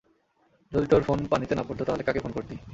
যদি তোর ফোন পানিতে না পড়তো, তাহলে কাকে ফোন করতি?